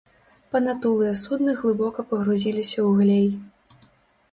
Патанулыя судны глыбока пагрузіліся ў глей.